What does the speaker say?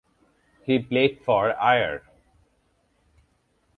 He played for Ayr.